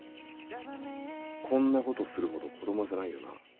こんなことするほど子供じゃないよな？